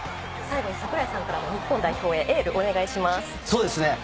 櫻井さんからも日本代表へエールを願いします。